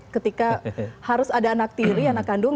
ketika harus ada anak tiri anak kandung